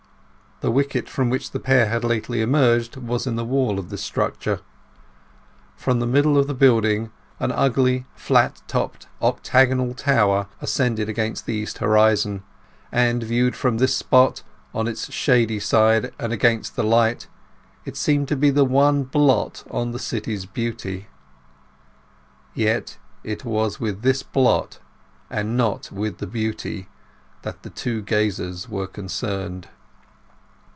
The wicket from which the pair had lately emerged was in the wall of this structure. From the middle of the building an ugly flat topped octagonal tower ascended against the east horizon, and viewed from this spot, on its shady side and against the light, it seemed the one blot on the city's beauty. Yet it was with this blot, and not with the beauty, that the two gazers were concerned.